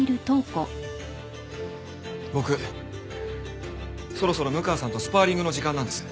僕そろそろ六川さんとスパーリングの時間なんです。